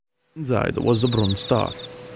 Inside was the Bronze Star.